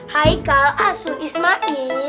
haikal asun ismail